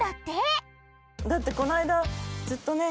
だってこの間ずっとね